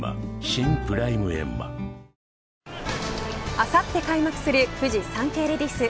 あさって開幕するフジサンケイレディス。